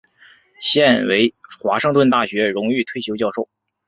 现为华盛顿大学荣誉退休教授。